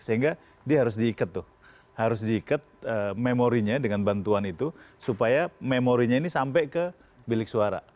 sehingga dia harus diikat tuh harus diikat memorinya dengan bantuan itu supaya memorinya ini sampai ke bilik suara